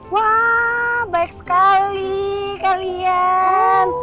wah baik sekali kalian